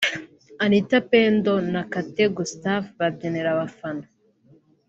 Anitha Pendo na Kate Gustave babyinira abafana